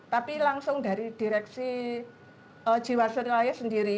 tapi langsung dari direksi jiwasraya sendiri